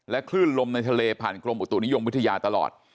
คลื่นลมในทะเลผ่านกรมอุตุนิยมวิทยาตลอด